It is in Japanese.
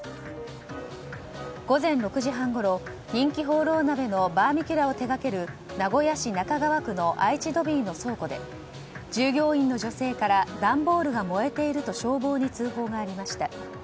午前６時半ごろ人気ホーロー鍋のバーミキュラを手掛ける名古屋市中川区の愛知ドビーの倉庫で従業員の女性から段ボールが燃えていると消防に通報がありました。